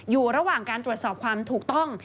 อยู่ระหว่างการตรวจสอบความถูกต้อง